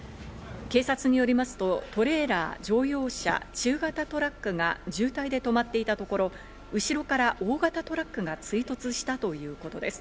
警察によりますと、トレーラー、乗用車、中型トラックが渋滞で止まっていたところ、後ろから大型トラックが追突したということです。